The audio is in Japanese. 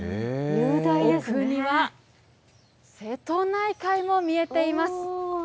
お次は、瀬戸内海も見えています。